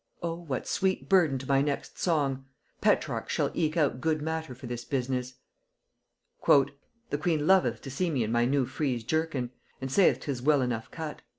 O! what sweet burden to my next song. Petrarch shall eke out good matter for this business." "The queen loveth to see me in my new frize jerkin, and saith 'tis well enough cut.